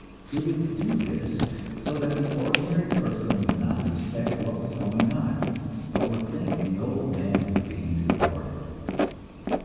They would do this so that the ordinary person would not suspect what was going on, but would think the old man was being supported.